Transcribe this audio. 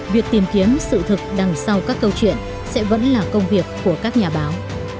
việc tìm kiếm sự thực đằng sau các câu chuyện sẽ vẫn là công việc của các nhà báo